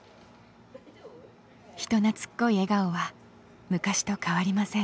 人なつっこい笑顔は昔と変わりません。